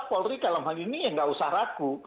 jadi kalau hal ini ya nggak usah ragu